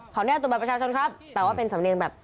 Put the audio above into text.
แน่ตัวบัตรประชาชนครับแต่ว่าเป็นสำเนียงแบบ